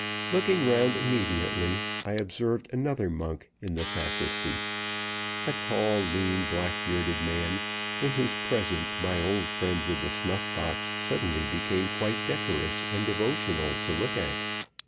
Looking round immediately, I observed another monk in the sacristy a tall, lean, black bearded man, in whose presence my old friend with the snuff box suddenly became quite decorous and devotional to look at.